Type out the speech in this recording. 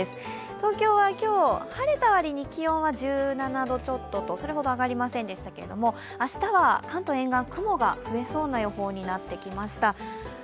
東京は今日、晴れた割に気温は１７度ちょっとと、それほど上がりませんでしたが明日は関東沿岸、雲が増えそうな予報になってきました。